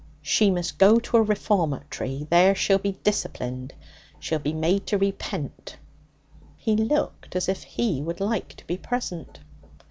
She must go to a reformatory. There she'll be disciplined. She'll be made to repent.' He looked as if he would like to be present.